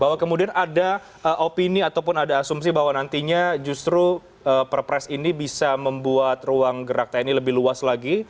bahwa kemudian ada opini ataupun ada asumsi bahwa nantinya justru perpres ini bisa membuat ruang gerak tni lebih luas lagi